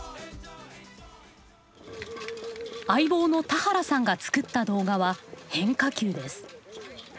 相棒の田原さんが作った動画は変化球です。